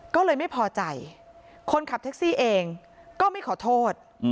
ก็เลยไม่พอใจคนขับแท็กซี่เองก็ไม่ขอโทษ